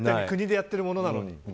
国でやってるものなのに。